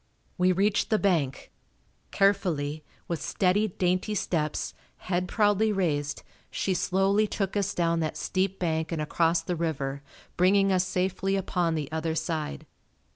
We reached the bank. Carefully, with steady, dainty steps, head proudly raised, she slowly took us down that steep bank and across the river bringing us safely upon the other side.